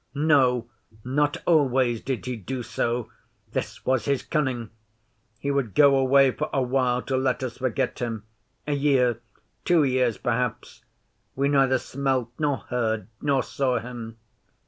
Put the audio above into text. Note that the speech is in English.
No not always did he do so! This was his cunning! He would go away for a while to let us forget him. A year two years perhaps we neither smelt, nor heard, nor saw him.